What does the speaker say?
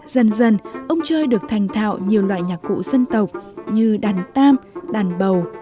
dần dần ông chơi được thành thạo nhiều loại nhạc cụ dân tộc như đàn tam đàn bầu